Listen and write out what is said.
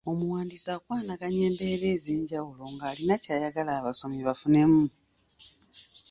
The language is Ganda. Omuwandiisi akwanaganya embeera ez'enjawulo ng'alina ky'ayagala abasomi bafunemu.